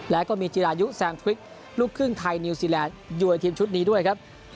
แล้วก็มีจิรายุแซมทริกลูกครึ่งไทยนิวซีแลนด์อยู่ในทีมชุดนี้ด้วยครับ